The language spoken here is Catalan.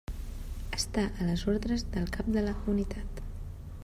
Està a les ordres del cap de la unitat.